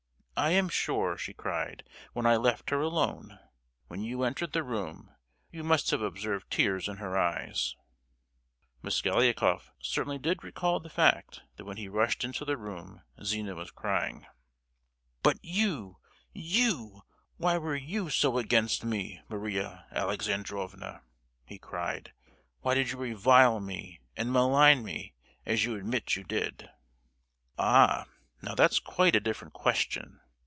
I am sure, she cried, when I left her alone! When you entered the room you must have observed tears in her eyes?" Mosgliakoff certainly did recall the fact that when he rushed into the room Zina was crying. "But you—you—why were you so against me, Maria Alexandrovna?" he cried. "Why did you revile me and malign me, as you admit you did?" "Ah, now that's quite a different question.